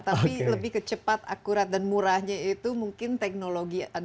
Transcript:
tapi lebih ke cepat akurat dan murahnya itu mungkin teknologi dan manfaatnya